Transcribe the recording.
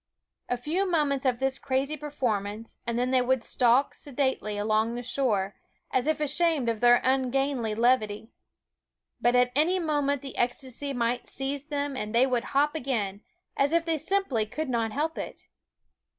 A few moments of this crazy performance, and then they would stalk sedately along the shore, as if ashamed of their ungainly levity ; but at any moment the ecstasy might seize them and they would hop again, as if they simply could not help it.